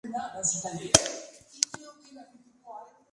Sin embargo, fue destruido antes de que los planes pudieran concretarse.